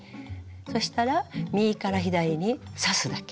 そしたら右から左に刺すだけ。